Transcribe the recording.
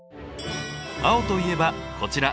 青といえばこちら。